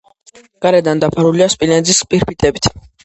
გარედან დაფარულია სპილენძის ფირფიტებით.